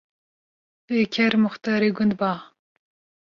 Wê ker muxtarê gund ba